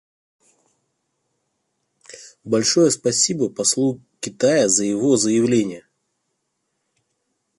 Большое спасибо послу Китая за его заявление.